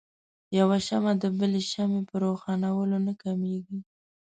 يوه شمعه د بلې شمعې په روښانؤلو نه کميږي.